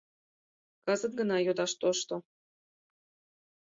Кызыт гына йодаш тошто.